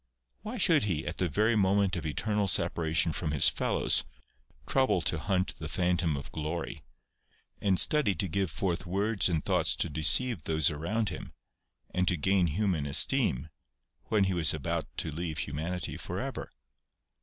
Why should he, at the very moment of eternal separation from his fellows, trouble to hunt the phantom of glory, and study to give forth words and thoughts to deceive those around him, and to gain human esteem, when he was about to leave humanity for ever